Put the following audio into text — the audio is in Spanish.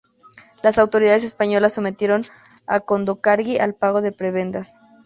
Las autoridades españolas sometieron a Condorcanqui al pago de prebendas.